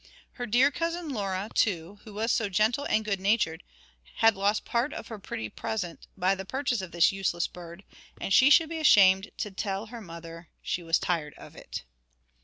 Her dear cousin Laura, too, who was so gentle and good natured, had lost part of her pretty present by the purchase of this useless bird, and she should be ashamed to tell her mother she was tired of it.